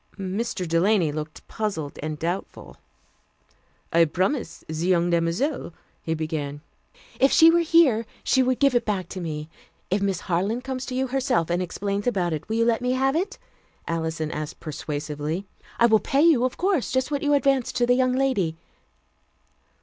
Mr. Delany looked puzzled and doubtful. "I promised the young demoiselle " he began. "If she were here, she would give it back to me. If Miss Harland comes to you herself and explains about it, will you let me have it?" Alison asked persuasively. "I will pay you, of course, just what you advanced to the young lady."